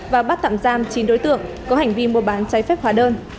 và bắt tạm giam chín đối tượng có hành vi mua bán trái phép hóa đơn